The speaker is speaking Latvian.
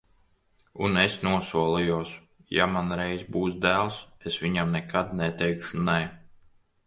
Un es nosolījos: ja man reiz būs dēls, es viņam nekad neteikšu nē.